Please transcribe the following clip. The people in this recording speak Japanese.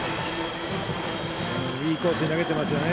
いいコースに投げていますね。